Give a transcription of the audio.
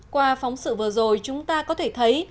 qua phóng sự vừa rồi chúng ta có thể thấy